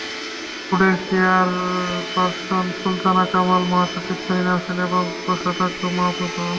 বোর্ডের চেয়ারপারসন সুলতানা কামাল, মহাসচিব সেলিনা হোসেন এবং কোষাধ্যক্ষ মাহফুজ আনাম।